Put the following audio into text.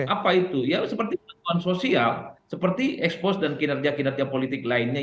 apa itu ya seperti bantuan sosial seperti expose dan kinerja kinerja politik lainnya